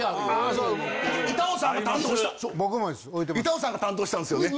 板尾さんが担当したんですよね。